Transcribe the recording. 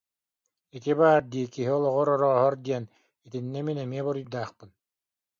Ити баар дии киһи олоҕор орооһор диэн, итиннэ мин эмиэ буруйдаахпын